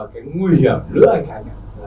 cái nguy hiểm lứa anh khánh ạ